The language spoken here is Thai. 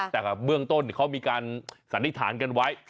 แต่เบื้องต้นเขามีการสันนิษฐานกันไว้